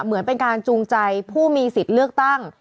เหมือนเป็นการจูงใจผู้มีสิทธิ์เลือกตั้ง